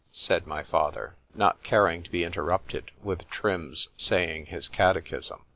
said my father, not caring to be interrupted with Trim's saying his Catechism.